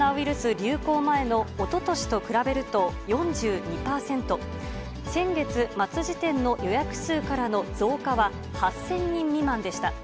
流行前のおととしと比べると４２％、先月末時点の予約数からの増加は８０００人未満でした。